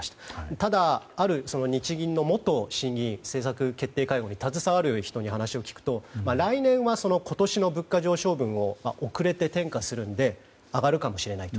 ただ、ある日銀の元審議委員政策決定会合に携わる人に話を聞くと来年は、今年の物価上昇分を遅れて転嫁するので上がるかもしれないと。